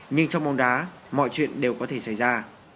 nhưng trong bóng đá mọi chuyện đều có thể xảy ra